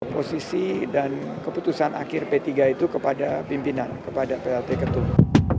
posisi dan keputusan akhir p tiga itu kepada pimpinan kepada plt ketua